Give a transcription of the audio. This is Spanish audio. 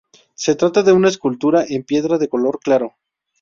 Se trata de una escultura en piedra de color claro.